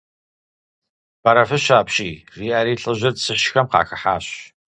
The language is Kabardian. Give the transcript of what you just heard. Бэрэфыщэ апщий! – жиӀэри лӀыжьыр цыщхэм къахыхьащ.